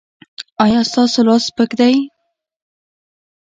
ایا ستاسو لاس سپک دی؟